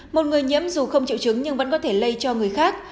một người nhiễm dù không chịu chứng nhưng vẫn có thể lây cho người khác